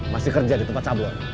masih kerja di tempat cabur